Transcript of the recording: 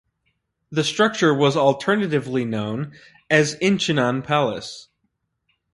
The structure was alternatively known as Inchinnan Palace.